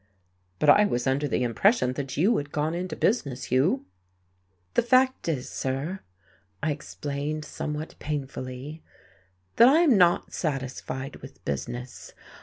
"But I was under the impression that you had gone into business, Hugh." "The fact is, sir," I explained somewhat painfully, "that I am not satisfied with business.